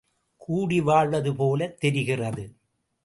கூடி வாழ்வது போலத் தெரிகிறது!